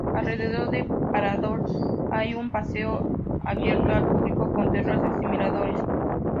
Alrededor del Parador hay un paseo abierto al público con terrazas y miradores.